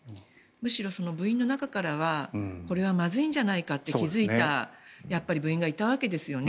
むしろ部員の中からはこれはまずいんじゃないかと気付いた部員がいたわけですよね。